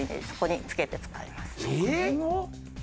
そこに付けて使います。